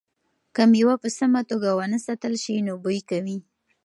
که مېوه په سمه توګه ونه ساتل شي نو بوی کوي.